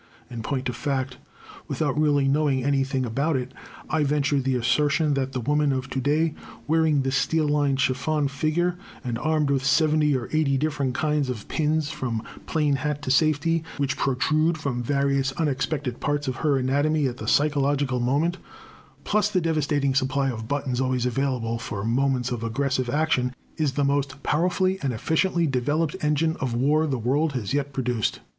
In point of fact, without really knowing anything about it, I venture the assertion that the woman of to day wearing this steel lined chiffon figure, and armed with seventy or eighty different kinds of pins from plain hat to safety, which protrude from various unexpected parts of her anatomy at the psychological moment, plus the devastating supply of buttons always available for moments of aggressive action, is the most powerfully and efficiently developed engine of war the world has yet produced.